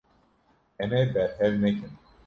Em ê berhev nekin.